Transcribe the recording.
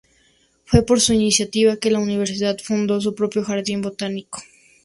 Fue por su iniciativa que la Universidad fundó su propio Jardín botánico.